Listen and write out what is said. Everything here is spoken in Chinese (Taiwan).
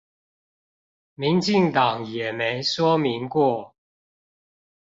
民進黨也沒說明過？